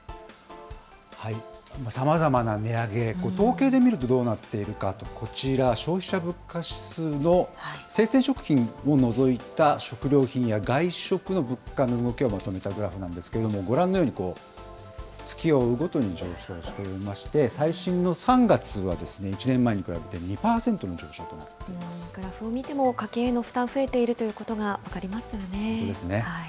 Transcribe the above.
さまざまな値上げ、統計で見るとどうなっているか、こちら、消費者物価指数の生鮮食品を除いた食料品や外食の物価の動きをまとめたグラフなんですけれども、ご覧のように、月を追うごとに上昇していまして、最新の３月は、１年前に比べて２％の上昇となっグラフを見ても、家計への負担、増えているということが分かりますよね。